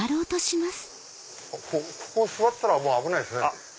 ここ座ったら危ないですね。